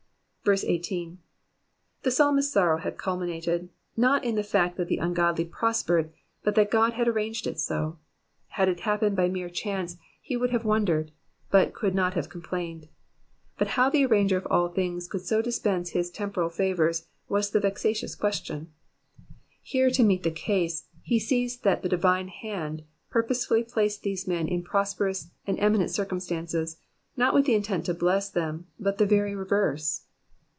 18. The Psalmist^s sorrow had culminated, not in the fact that the ungodly prospered, but that God had arranged it so : had it happened by mere chance, he would have wondered, but could not have complained ; but how the arranger of all things could so dispense his temporal favours, was the vexatious question. Here, to meet the case, he sees that the divine hand purposely placed these men in prosperous and eminent circumstances, not with the intent to bless them but the very reverse.